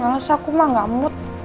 malas aku mah enggak mood